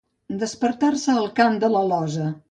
Despertar-se al cant de l'alosa.